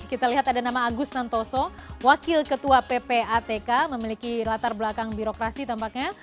kita lihat ada nama agus santoso wakil ketua ppatk memiliki latar belakang birokrasi tampaknya